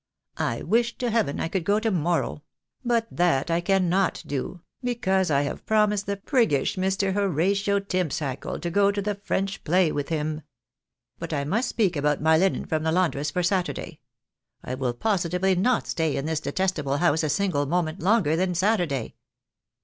I wish to heaven I could go to morrow ; but that I cannot do, because I have promised the priggish Mr. Horatio Timmsthakle to go to the French play with him. But I must speak about my hnen from the laundress for Saturday. I will positively not stay in this detestable house a single moment longer than Saturday."